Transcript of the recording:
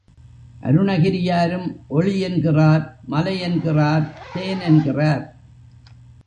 அருணகிரியாரும் ஒளி என்கிறார், மலை என்கிறார், தேன் என்கிறார்.